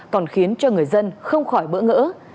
còn khiến cho người dân không khỏi bỡ ngỡ